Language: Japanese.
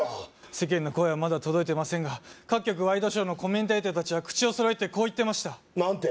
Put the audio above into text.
世間の声はまだ届いてませんが各局ワイドショーのコメンテーター達は口を揃えてこう言ってました何て？